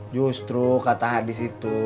justru kata hadis itu